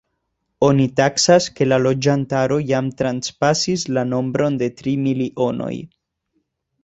Oni taksas, ke la loĝantaro jam transpasis la nombron de tri milionoj.